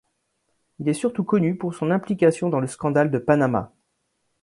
Il est surtout connu pour son implication dans le scandale de Panama.